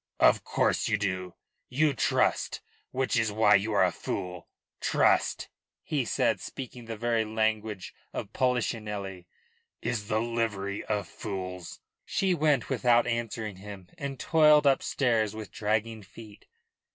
"Of course you do. You trust, which is why you are a fool. Trust," he said, speaking the very language of Polichinelle, "is the livery of fools." She went without answering him and toiled upstairs with dragging feet.